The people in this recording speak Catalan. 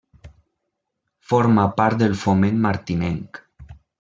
Forma part del Foment Martinenc.